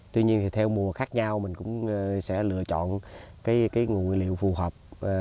tuy nhiên theo mùa khác nhau mình cũng sẽ lựa chọn nguồn nguyên liệu phù hợp